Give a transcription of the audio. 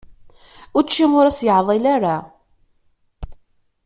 Učči, ur as-yeɛḍil ara.